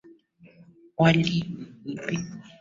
Wali ni mweupe.